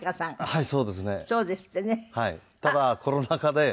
はい。